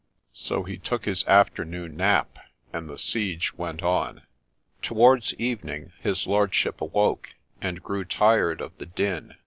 So he took his afternoon nap, and the siege went on. Towards evening his lordship awoke, and grew tired of the din.